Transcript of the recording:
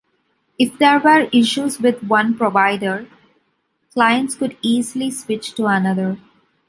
If there were issues with one provider, clients could easily switch to another.